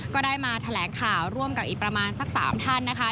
ก็ได้มาแถลงข่าวร่วมกับอีกประมาณสัก๓ท่านนะคะ